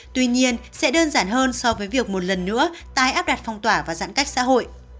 tuy nhiên sẽ đơn giản hơn so với việc một lần nữa tái áp đặt phong tỏa và giãn cách xã hội